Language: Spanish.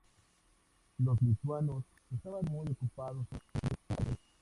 Los lituanos estaban muy ocupados con los bolcheviques como para intervenir.